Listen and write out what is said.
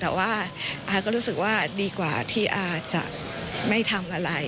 แต่ว่าอาก็รู้สึกว่าดีกว่าที่อาจะไม่ทำอะไร